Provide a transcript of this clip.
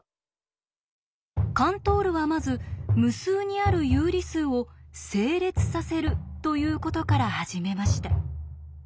カントールはまず無数にある有理数を「整列させる」ということから始めました。